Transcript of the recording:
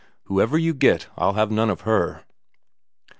"Whoever you get, I'll have none of her."